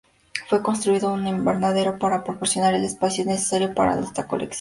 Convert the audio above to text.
Fue construido un invernadero, para proporcionar el espacio necesario para esta colección.